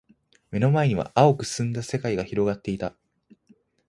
目の前には蒼く澄んだ世界が広がっていた。